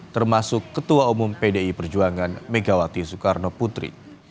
termasuk ketua umum pdi perjuangan megawati soekarno putri